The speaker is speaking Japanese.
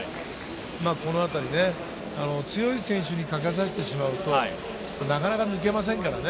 この辺りね、強い選手にあけさせてしまうとなかなか抜けませんからね。